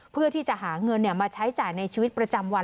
เพื่อที่จะหาเงินมาใช้จ่ายในชีวิตประจำวัน